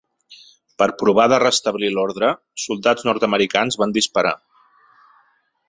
Per provar de restablir l’ordre, soldats nord-americans van disparar.